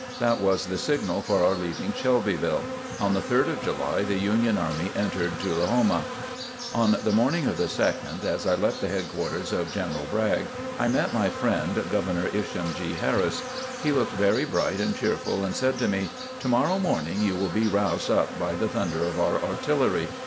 That was the signal for our leaving Shelbyville. On the 3rd of July the Union army entered Tullahoma. On the morning of the 2nd, as I left the headquarters of General Bragg, I met my friend Governor Isham G. Harris. He looked very bright and cheerful and said to me: "To morrow morning you will be roused up by the thunder of our artillery."